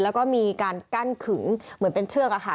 แล้วก็มีการกั้นขึงเหมือนเป็นเชือกอะค่ะ